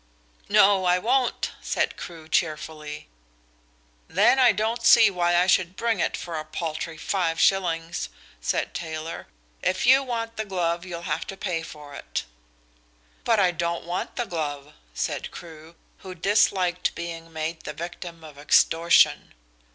"No, I won't," said Crewe cheerfully. "Then I don't see why I should bring it for a paltry five shillings," said Taylor. "If you want the glove you'll have to pay for it." "But I don't want the glove," said Crewe, who disliked being made the victim of extortion.